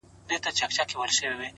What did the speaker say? اخلاص د اړیکو ریښې کلکوي.!